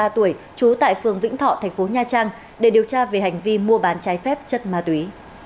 ba mươi tuổi trú tại phường vĩnh thọ thành phố nha trang để điều tra về hành vi mua bán trái phép chất ma túy